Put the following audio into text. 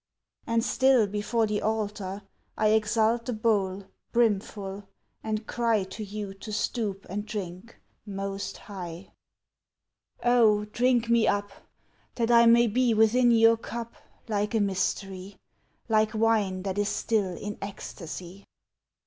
And still before The altar I Exult the bowl Brimful, and cry To you to stoop And drink, Most High. Oh drink me up That I may be Within your cup Like a mystery, Like wine that is still In ecstasy.